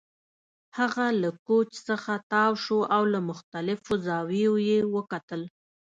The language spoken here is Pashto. هغه له کوچ څخه تاو شو او له مختلفو زاویو یې وکتل